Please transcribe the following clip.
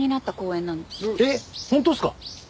えっ本当ですか？